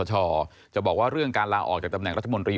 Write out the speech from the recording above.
จะบอกว่าเรื่องการลาออกจากตำแหน่งรัฐมนตรี